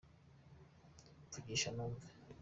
mvugisha numve